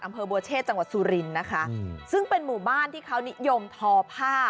อำเภอบัวเชษจังหวัดสุรินทร์นะคะซึ่งเป็นหมู่บ้านที่เขานิยมทอผ้า